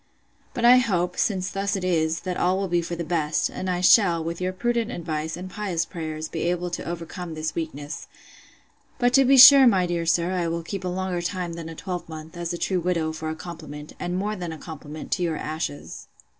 But I hope, since thus it is, that all will be for the best; and I shall, with your prudent advice, and pious prayers, be able to overcome this weakness.—But, to be sure, my dear sir, I will keep a longer time than a twelvemonth, as a true widow, for a compliment, and more than a compliment, to your ashes!